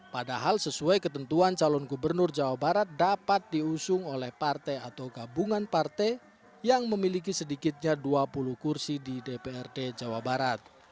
padahal sesuai ketentuan calon gubernur jawa barat dapat diusung oleh partai atau gabungan partai yang memiliki sedikitnya dua puluh kursi di dprd jawa barat